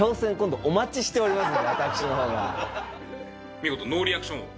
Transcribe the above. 見事ノーリアクション王。